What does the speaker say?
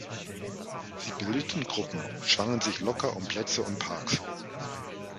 Sie bildeten Gruppen, schwangen sich locker um Plätze und Parks.